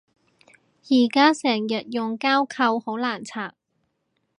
而家成日用膠扣好難拆